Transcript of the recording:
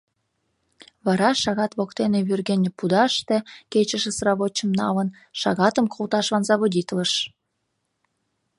Вара шагат воктене вӱргене пудаште кечыше сравочым налын, шагатым колташлан заводитлыш...